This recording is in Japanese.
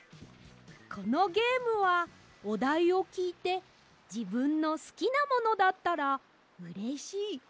このゲームはおだいをきいて「じぶんのすきなものだったらうれしい。